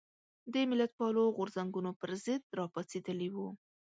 د ملتپالو غورځنګونو پر ضد راپاڅېدلي وو.